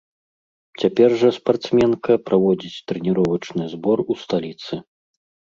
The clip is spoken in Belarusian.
Цяпер жа спартсменка праводзіць трэніровачны збор у сталіцы.